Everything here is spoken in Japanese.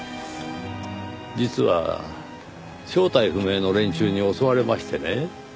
実は正体不明の連中に襲われましてねぇ。